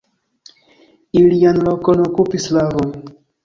Ilian lokon okupis slavoj.